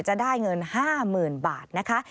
จะได้เงินห้าหมื่นบาทนะคะ